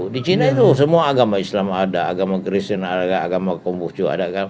di cina itu semua agama islam ada agama kristian agama agama